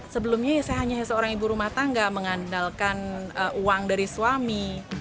sebelumnya saya hanya seorang ibu rumah tangga mengandalkan uang dari suami